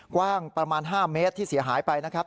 กว้างประมาณ๕เมตรที่เสียหายไปนะครับ